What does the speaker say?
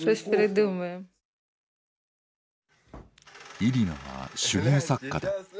イリナは手芸作家だ。